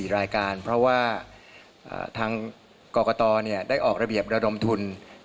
๔รายการเพราะว่าทางกรกตได้ออกระเบียบระดมทุน